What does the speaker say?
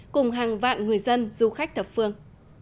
cùng hàng vạn người dân du khách thập phương